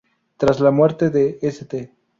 Tras la muerte de St.